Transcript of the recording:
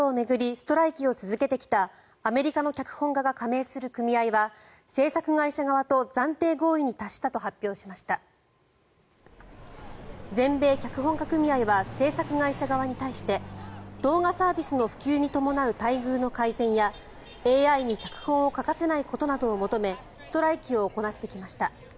ストライキを続けてきたアメリカの脚本家が加盟する組合は全米脚本家組合は制作会社側に対して動画サービスの普及に伴う待遇の改善やＡＩに脚本を書かせないことなどを求めストライキを行ってきました。